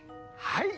はい！